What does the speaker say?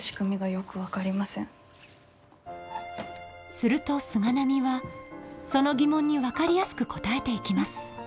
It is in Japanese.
すると菅波はその疑問に分かりやすく答えていきます。